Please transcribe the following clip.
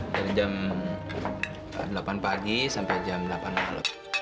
dari jam delapan pagi sampai jam delapan malam